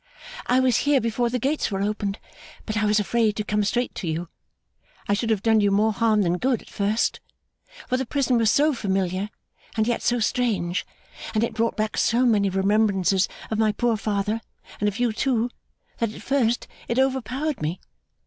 'I was here before the gates were opened, but I was afraid to come straight to you. I should have done you more harm than good, at first; for the prison was so familiar and yet so strange, and it brought back so many remembrances of my poor father, and of you too, that at first it overpowered me.